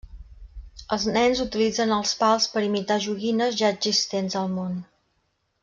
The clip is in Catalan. Els nens utilitzen els pals per imitar joguines ja existents al món.